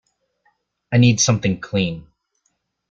I need something clean.